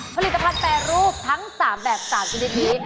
ผลิตภัณฑ์แปรรูปทั้ง๓แบบ๓ชนิดนี้